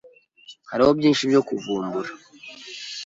Hariho byinshi byo kuvumbura.